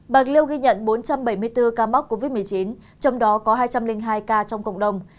bạc liêu ghi nhận bốn trăm bảy mươi bốn ca mắc covid một mươi chín trong đó có hai trăm linh hai ca trong cộng đồng